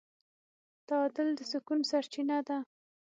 تعادل د سکون سرچینه ده.